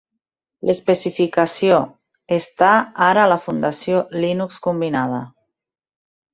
L'especificació està ara a la Fundació Linux combinada.